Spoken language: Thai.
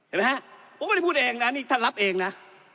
เห็นไหมฮะผมไม่ได้พูดเองนะนี่ท่านรับเองนะ